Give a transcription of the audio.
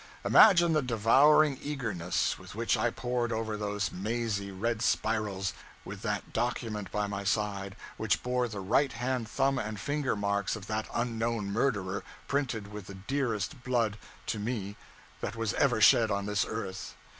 Imagine the devouring eagerness with which I pored over those mazy red spirals, with that document by my side which bore the right hand thumb and finger marks of that unknown murderer, printed with the dearest blood to me that was ever shed on this earth!